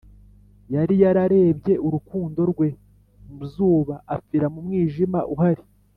yari yararebye urukundo rwe mu zuba, apfira mu mwijima uhari.